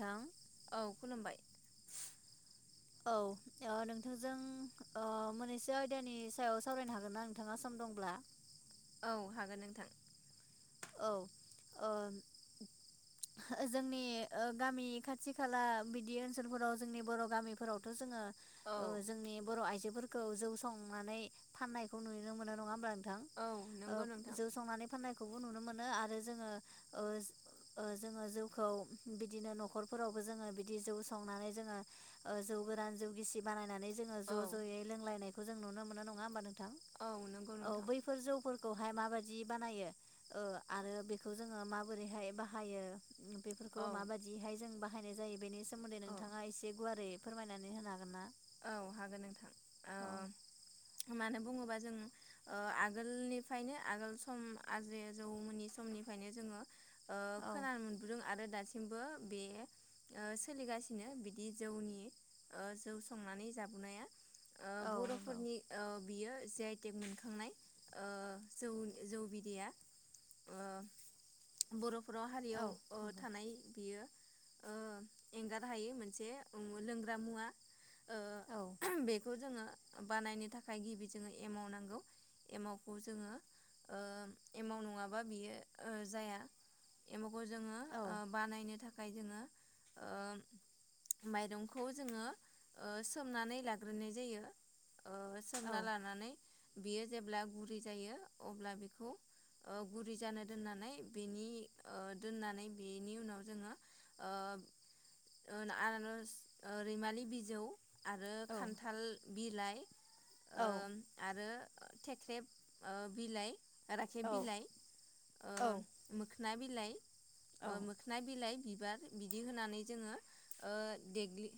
नोंथां औ खुलुमबाय। औ नोंथांजों मोनैसो आयदानि सायाव सावरायनो हागोन ना नोंथाङा सम दंब्ला। औ हागोन नोंथां। औ जोंनि गामि खाथि खाला बिदि ओनसोलफोराव जोंनि बर' गामिफोरावथ' जोङो। औ जोंनि बर' आइजो। औ जौ संनानै फान्नायखौ नुनो मोनो नङा होमब्ला नों थां औ ओ नंगौ नोंथां जौ संना फाननाय नुनो मोनो आरो जोंङो ओ ओ जोङो जौखौ बिदिनो न'खरफोरावबो जों बिदि संनानै जोङो जौ गोरान जौ गिसि बानायनानै जोङो औ ज' ज'यै लोंलायनाय खो जों नुनो मोनो नङा होमबा नों थां नंगौ औ नोंथां बैफोर जौफोर खौहाय माबायदि बानायो? ओ आरो बेखौ जोङो माबोरैहाय बाहायो? बेफोरखौ औ माबायदिहाय जों बा हायनाय जायो बेनिस सोमोन्दै औ नोंथाङा एसे गुवारै फोरमायनानै होनो हागोन ना? औ हागोन नोंथां। औ ओ मानो बुङोबा जों ओ आगोलनिफ्रायनो आगोल सम आजै आजौमोननि समनिफ्रायनो जोङो ओ औ खोनानो मोनबोदों आरो दासिमबो बे ओ सोलिगासिनो बिदि जौनि ओ जौ संनानै जाबोनाया ओ औ नंगौ बर'फोरनि ओ बियो जि आइ टेग मोनखांनाय ओ जौउन जौ बिदैया ओ बर' बर' औ हारियाव ओ नंगौ थानाय बियो ओ एंगार हायि मोनसे लोंग्रा मुवा ओ औ बेखौ जोङो बानायनो थाखाय गिबि जोङो एमाव नांगौ एमावखौ जोङो ओ एमाव नङाबा बियो ओ जाया एमाव खौ जोङो औ ओ बानायनो थाख थाखाय जोङो ओ माइरंखौ जोङो ओ सोमनानै लाग्रोनाय जायो ओ औ सोमना लानानै बेयो जेब्ला गुरै जायो अब्ला बेखौ ओ गुरै जानो दोननानै बेनि ओ दोननानै बेनि उनाव जोङो ओ ओ आनारस ओ रैमालि बि जौ आरो औ खान्थाल बिलाइ ओ औ आरो थेख्रेब ओ बिलाइ राखेब औ बिलाइ औ ओ मोखना बि लाय औ ओ मोखना बिलाइ बिबार बिदि होनानै जोंङो ओ देग्लि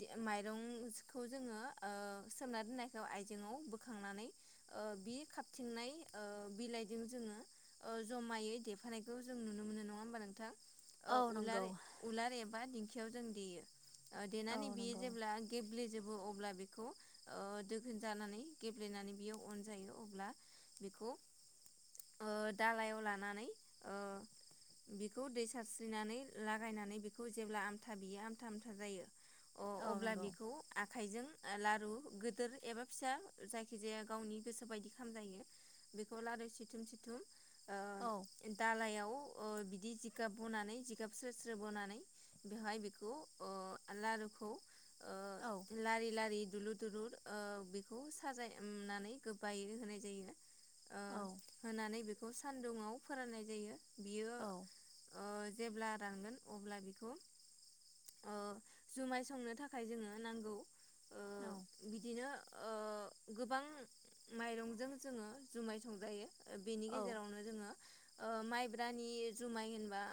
दे माइरंखौ जोंङो ओ सोमना दोननायखौ आयजेंआव बोखांनानै ओ बि खाबथिंनाय ओ बिलाइजों जोंङो ओ जमायै देफानायखौ जों नुनो मोनो नंङा होमबा नोंथां? ओ औ नंगौ उलार उलार एब बा दिंखियाव जों देयो औ देनानै बियो नंगौ जेब्ला गेब्लेेजोब अब्ला बेखौ ओ दोगोन जानानै गेब्लेनानै बियो अन जायो अब्ला बेखौ ओ दालायाव लानानै ओ बेखौ दै सारस्रिनानै लागायनानै बेखौ जेब्ला आमथा बियो आमथा-आमथा होजायो अ औ अब्ला नंगौ बेखौ आ आखाइजों लारु गोदोर एबा फिसा जायखिजाया गावनि गोसो बायदि खामजायो बेखौ लारु सिथुम-सिथुम ओ औ दालायाव ओ बिदि जिगाब बनानै जिगाब स्रो-स्रो बनानै बेवहाय बेखौ अ लारू खौ औ ओ लारि-लारि दुलुर दुलुर ओ बेखौ साजाय उमनानै गोबबायै होनाय जायो ओ होनानै बेखौ खौ सान्दुुंङाव फोराननाय जायो बियो औ ओ जेब्ला रानगोन अब्ला बिखौ ओ जुमाय संनो थाखाय जोंङो नांगौ ओ औ बिदिनो ओ गोबां माइरंजों जोंङो जुमाय संजायो बेनि औ गेजेरावनो जोंङो ओ माइब्रानि जुमाय होनबा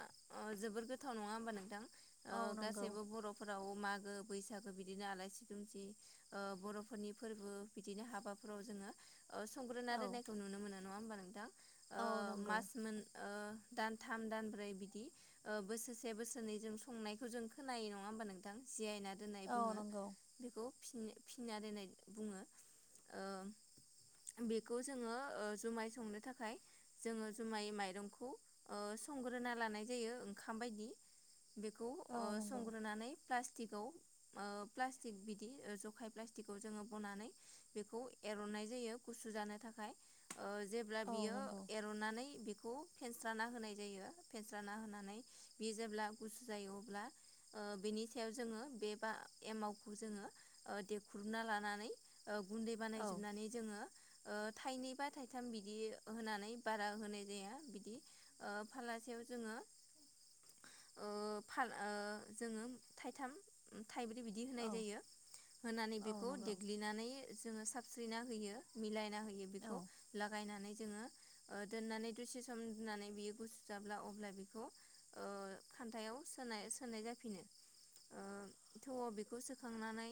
जोबोर गोथाव नंङा होमबा नोंथां ओ औनो गासैबो बरफोराव मागो बैसागो बिदिनो आलासि दुमसि ओ बरफोरनि फोरबो बिदिनो हाबाफोराव जोंङो अ संग्रोना औ दोननायखौ नुनो मोना नंङा होमबा नोंथां औ नंगौ ओ-मास मोन ओ दान थाम दान ब्रै ओ बोसोरसे बोसोरनै जों संनायखौ खोनायो नंङा होमबा नोंथां जियायना दोननाय औ बुंङो नंगौ बेखौ फिसिन फिसिना दोननाय बुंङो बेखौ जोंङो जुमाय संनो थाखाय जोंङो जुमाय माइरंखौ ओ संग्रोना लानाय जायो ओंखाम बायदि बेखौ ओ औ नंगौ संग्रोनानै प्लास्टिकआव ओ प्लास्टिक बिदि जखाय प्लास्टिकखौ जोंङो बनानै बेखौ एरननाय जायो गुसु जानो थाखाय ओ जेब्ला औ बियो नंगौ एरनानै बेखौ बेखौ फेनस्राना होनाय जायो फेस्राना होनानै बियो जेब्ला गुसु जायो अब्ला ओ बेनि सायाव जोङो बे बा एमावखौ जोङो ओ देख्रुबना लानानै ओ गुन्दै औ बानायजोबनानै जोङो ओ थाइनै बा थाइथाम बिदि होनानै बारा होनाय जाया बिदि फाल्लासेयाव जोङो ओ फाल ओ जोङो थाइथाम थाइब्रै बिदि होनाय जायो होनानै औ बेखौ नंगौ देग्लिनानै जो जोङो साबस्रिना होयो मिलायना होयो औ बिखौ लागायनानै जोङो ओ दोननानै दसे सम दोननानै बियो गुसु जाब्ला अब्ला बेखौ ओ खान्थायाव सोनाय सोनाय जाफिनो ओ थौआव बेखौ सोखांनानै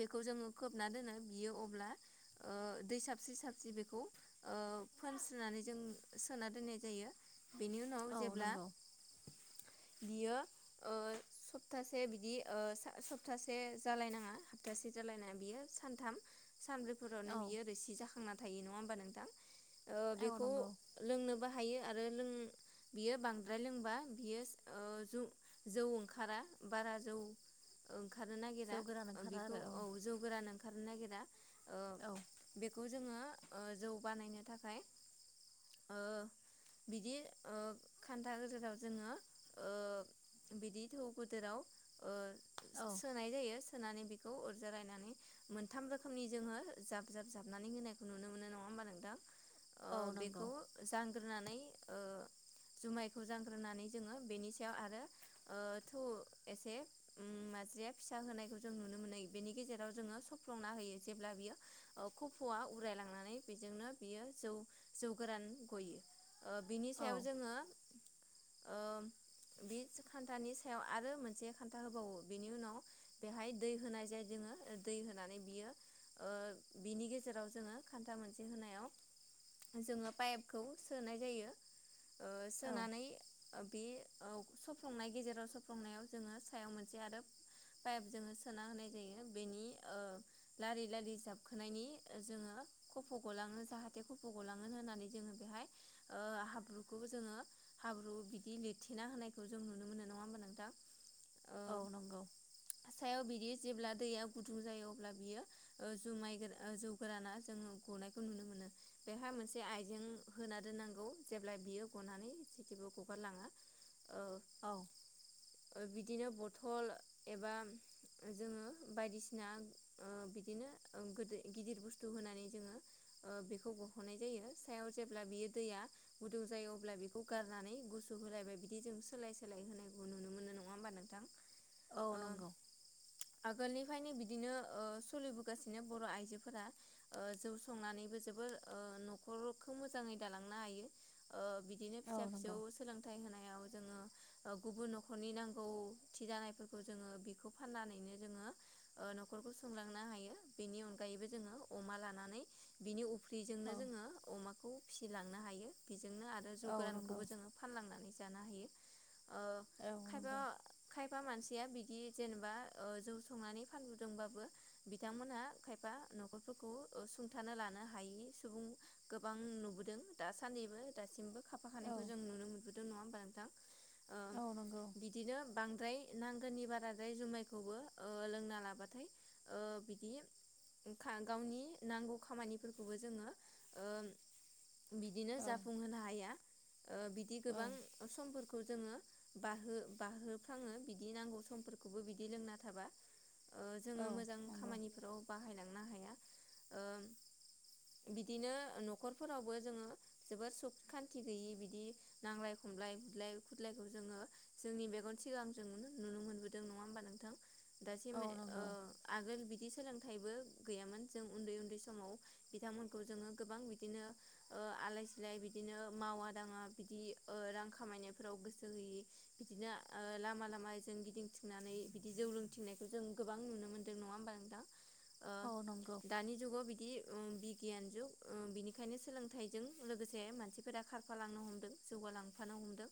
बेखौ जोङो खोबना दोनो बियो अब्ला दै ओ साबस्रिरि साबस्रिरि बेखौ फोनस्रिनानै जों सोना दोननाय जायो। बेनि उनाव औ जेब्ला नंगौ बियो सप्तासे बिदि सप्तासे जालायनाङा सप्तासे जालायनाङा बियो सानथाम सानब्रैफोरावनो औ बियो रोसि जाखांना थायो नङा होमबा नोंथां। ओ औ बेखौ नंगौ लोंनोबा हायो आरो लों बियो बांद्राय लोंबा बियो ओ जौ जौ ओंखारा बारा जौ ओंखारनो जौ नागिरा गोरान ओंखारा बेखौ आरो औ जौ गोरान ओंखारनो नागिरा ओ औ बेखौ जोङो ओ जौ बानायनो थाखाय ओ बिदि ओ खान्था गेजेराव जोङो ओ बिदि थौ गोदोराव ओ औ सोनाय जायो। सोनानै बेखौ अर जरायनानै मोनथाम रोखोमनि जोङो जाब जाब जाबनानै होनायखौ नुनो मोनो नङा होमबा नोंथां। ओ औ नंगौ बेखौ जान ग्रोनानै ओ जुमायखौ जानग्रोनानै जोङो बेनि सायाव आरो ओ थौ एसे मारज्रिया फिसा होनायखौ जों नुनो मोनो बेनि गेजेराव जोङो सफ्लंना होयो जेब्ला बियो खफ'आ उरायलांनानै बेजोंनो बियो जौ जौ गोरान गयो। ओ बिनि औ सायाव जोङो ओ बि खान्थानि सायाव आरो मोनसे खान्था होबावो बिनि उनाव बेहाय दै होनाय जायो जोङो दै होनानै बियो ओ बिनि गेजेराव जोङो खान्था मोनसे होनायाव जोङो पाइपखौ सोनाय जायो। ओ औ सोनानै बे सफ्लंनाय गेजेराव सफ्लंनायाव जोङो सायाव मोनसे आरो पाइप जोङो सोना होनाय जायो बेनि ओ लारि लारि जाबखोनायनि जोङो खफ' गलाङो जाहाथे खफ' गलाङो होननानै जोङो बेहाय ओ हाब्रुखौ जोङो हाब्रु बि बिदि लिरथेना होनायखौ जों नुनो मोनो नङा होमबा नोंथां? ओ औ नंगौ। सायाव बिदि जेब्ला दैया गुदुं जायो अब्ला बियो जुमाय गोरान जौ गोराना जोंङो गनायखौ नुनो मोनो बेवहाय मोनसे आइजें होना दोननांगौ जेब्ला बियो गनानै जिथिबो ग गगार लाङा। औ। बिदिनो बथल एबा जोङो बायदिसिना बिदिनो गोदो गिदिर बुस्थु होनानै जोङो बेखौ गह'नाय जायो सायाव जेब्ला बियो दैया गुदुं जायो अब्ला बेखौ गारनानै गु गुसु होलायबाय बिदि जों सोलाय सोलाय होनायखौ नुनो मोनो नङा होमबा नोंथां? औ ओ नंगौ। आगोलनिफ्रायनो बिदिनो ओ सलिबोगासिनो बर' आइजोफोरा ओ जौ संनानैबो जोबोर ओ न'खरखौ मोजाङै दालांनो हायो ओ बि दिनो औ फिसा फिसौ नंगौ सोलों होनायाव जोङो गुबुन न'खरनि नांगौथि जानायफोरखौ जोङो बेखौ फान्नानैनो जोङो ओ न'खरखौ सुंलांनो हायो बेनि अनगायैबो जोङो अमा लानानै बिनि उ फ्रिजोंनो औ जोङो अमा खौ फिसिलांनो हायो बिज जोंनो आरो जौ औ नंगौ गोरानखौबो जोङो फानलांनानै जानो हायो। ओ औ खायफा नंगौ खायफा मानसि सिया बिदि जेनेबा ओ जौ संनानै फानबोदोंबाबो बिथांमोनहा खायफा न'खरफोरखौ सुंथानो लानो हायि सुबुं गोबां नुबोदों दासान्दिबो दासिमबो खाफाखानायखौ जों औ नुनो मो नुदों नङा होमबा नोंथां? औ नंगौ ओ बिदिनो बांद्राय नांगौनि बाराद्राय जुमायखौबो ओ लोंना लाबाथाय ओ बिदि खा गावनि नांगौ खामानिफोरखौबो जोङो ओ बिदिनो औ जाफुंहोनो हाया। ओ बिदि औ गोबां समफोरखौ जोङो बारहो बारहोफ्राङो बिदि नांगौ समफोरखौबो बिदि लोंना थाबा। ओ जोङो औ मोजां नंगौ खामानिफोराव बाहायलांनो हाया। ओ बिदिनो न'खरफोरावबो जोङो जोबोर सुख खान्थि गैयि बिदि नांलाय खमलाय बुदलाय खुदलायखौ जोङो जोंनि मेगन सिगां जों नुनो नुनो मोनबोदों नङा होमबा नोंथां? दासिम औ ओ नंगौ आगोल बिदि सोलोंथाइबो गैयामोन जों उन्दै उन्दै समाव बिथांमोनखौ जोङो गोबां बिदिनो ओ आलाय सिलाय बिदिनो मावा दाङा बिदि ओ रां खामायनायफोराव गोसो होयि बिदिनो ओ लामा लामाजों गिदिंथिंनानै बिदि जौ लोंथिंनायखौ जों गोबां नुनो मोन्दों नङा होमबा नोंथां? ओ औ नंगौ दानि जुगाव बिदि उम बिगियान जुग ओ बिनिखायनो सोलोंथाइजों लोगोसे मानसिफोरा खारफालांनो हमदों। जौगालांफानो हमदों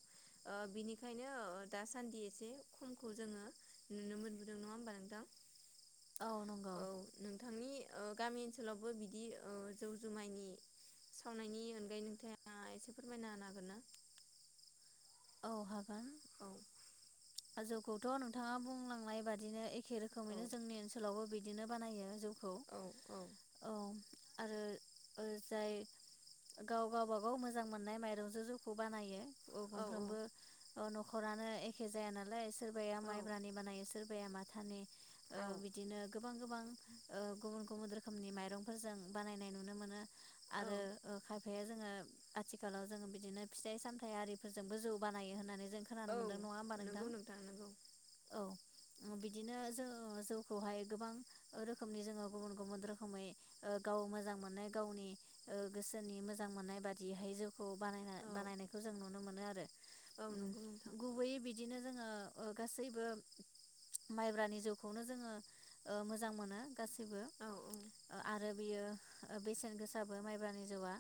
ओ बिनिखायनो दासान्दि एसे खमखौ जोङो नुनो मोनबोदों, नङा होमबा नोंथां? औ नंगौ औ नोंथांनि ओ गामि ओनसोलावबो बिदि ओ जौ जुमायनि सावनायनि अनगायै नोंथाङा एसे फोरमायना होनो हागोन ना? औ हागोन। औ। जौखौथ' नोंथाङा बुंलांनाय बादिनो ए खे औ रोखोमैनो जोंनि ओनसोलावबो बि बिदिनो बानायो जौ खौ औ। आरो ओ जाय गाव गावबागाव मोजां मोननाय माइरंजों जौखौ बानायो अखम औ फ्रोमबो न'खरानो एखे जाया नालाय सोरबाया माइब्रानि बानायो सोरबा बाया माथानि ओ औ बिदिनो गोबां गोबां ओ गुबुन गुब गुबुनुु रोखोमनि माइरंफोरजों बानायनाय नुनो मोनो। औ आरो ओ खाय जोङो आथिखालाव जों बिदिनो फिथाइ सामथाय आरिफोर जोंबो जौ बानायो होननानै जों खोनानो औ मोनदों नङा होमबा नोंथां नंगौ नंगौ औ। बिदिनो जो जौखौहाय गोबां रोखोमनि जोङो गुबुन गुबुन रोखोमै गाव मोजां मोननाय गावनि गोसोनि मोजां मोननाय बादिहाय जौखौ बानायना औ बानायनायखौ जों नुनो मोनो। नुनो मोनो आरो। औ नंगौ नोंथां। गुबैयै बिदिनो जोङो गासैबो माइब्रानि जौखौनो जोङो ओ मोजां मोनो। गासिबो औ औ आरो बियो बेसेन गोसाबो माइब्रानि जौआ।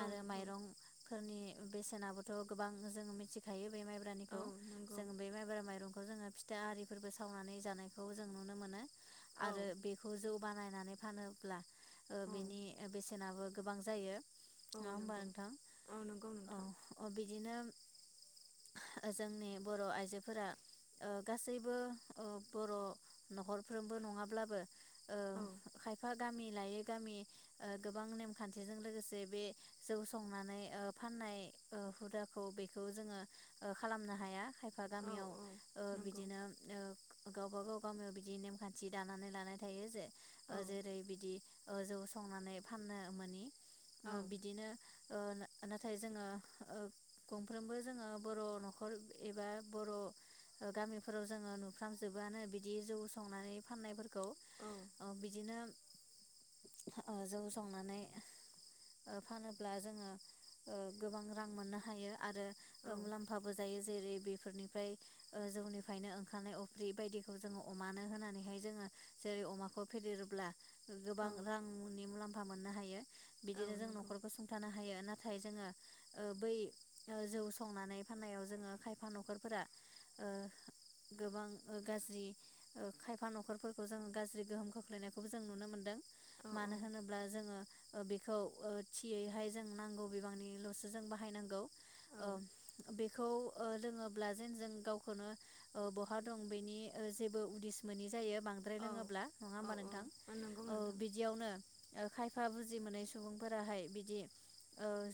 औ आरो नंगौ माइरं फोरनि बेसेन बो थ' गोबां जोंङो मिथिखायो। माइब्रानि औ नंगौ जों बे माइब माइं खौ जोङो फिथाइ आरिफोरबो सावनानै जानायखौ जों नुनो मोनो। औ आरो बेखौ जौ बानायनानै फानोब्ला औ बेनि बेसेनाबो गोबां जायो। औ नङा होमबा नंगौ नोंथां औ नंगौ नोंथां औ। बिदिनो जोंनि बर' आइजोफोरा गासैबो बर' न'खरफ्रोमबो नङाब्लाबो औ खायफा गामि लायै गामि गोबां नेमखान्थिजों लोगोसे बे जौ संनानै फाननाय ओ हुदाखौ बेखौ जोङो ओ खालामनो हाया खायफा औ गामियाव औ ओ नंगौ बिदिनो ओ गावबागाव गामियाव बिदि नेमखान्थि दानानै लानाय थायो जे औ जेरै बिदि जौ संनानै फाननो मोनि औ बिदिनो ओ नाथाय जोङो ओ गंफ्रोमबो जोङो बर' न'खर एबा बर' गामिफोराव जोङो नुफ्राम जबोआनो बिदि जौ संनानै फाननाय खौ औ बिदिनो जौ संनानै ओ फानोब्ला जोङो ओ गोबां रां मोननो हायो आरो मुलाम्फाबो जायो जेरै बेफोरनिफ्राय जौनिफ्रायनो ओंखारनाय अफ्रि बायदिखौ जोङो अमानो होनानैहाय जोङो जेरै अमाखौ फेदेरोब्ला औ गोबां रांनि मुलामफा फा मोननो हायो। औ बिदिनो जों नंगौ न'खरखौ सुंथानो हायो नाथाय नाथाय जोङो ओ बै जौ संनानै फाननायाव जोङो खायफा न'खरफोरा ओ गोबां गाज्रि ओ खायफा न'खरफोरखौ जोङो गाज्रि गोहोम खोख्लैनायखौबो जों नुनो मोनदों औ मानो औ होनोब्ला जोङो बेखौ ओ थियैहाय जों नांगौ बिबांनिल'सो जों बाहायनांगौ औ बेखौ लोङोब्ला जेन जों गावखौनो बहा दं बेनि जेबो उदिस मोै जायो। बांद्राय लोङोब्ला नङा औ होमबा औ नोंथां औ नंगौ औ नोंथां बिदियावनो। खायफा बुजि मोनै सुबुंफोराहाय बिदि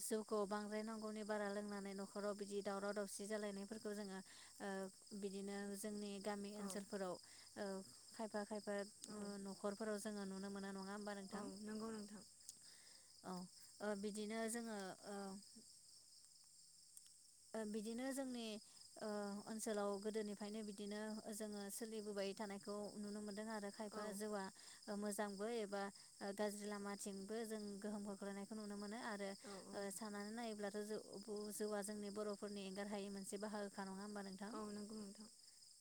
ज ग बांद्राय नांगौनि बारा लोंनानै न'खराव बिदि दावराव दावसि जालायनायफोरखौ जोङो बिदिनो जोंनि गामि औ ओनसोलफोराव खायफा खायफा औ न'खरफोराव जोङो नुनो मोना नङा होमबा औ नोंथां नंगौ नोंथां औ बिदिनो जोङो। ओ ओ बिदिनो जोंनि ओ ओनसोलाव गोदोनिफायनो बिदिनो जोंङो सोलिबोबाय थानायखौ नुनो मोनदों आरो। रो खायफा औ जौवआ। ओ मोजांबो एबा ओ गाज्रि लामाथिंबो जों गोहोम खोख्लैनायखौ नुनो मोनो आरो। रो औ ओ सनानै नायोब्ला। जौआ जोंनि। बरफोरनि एंगार हायै मोनसे बाहोखा नङा होमबा? नोंथां औ नोंगौ नोंथां।